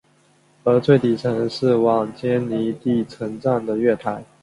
而最底层是往坚尼地城站的月台。